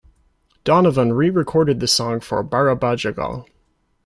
Donovan re-recorded the song for "Barabajagal".